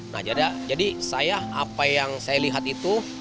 nah jadi saya apa yang saya lihat itu